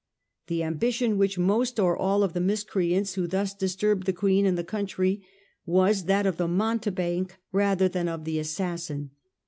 The ambition which most or all of the miscreants who thus dis turbed the Queen and the country was that of the mountebank rather than of the assassin.